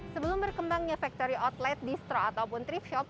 sebelum berkembangnya factory outlet distro ataupun trip shop